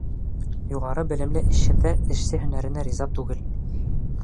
Юғары белемле эшһеҙҙәр эшсе һөнәренә риза түгел